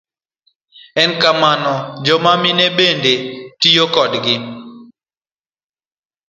En kamano, joma mine bende tiyo kodgi.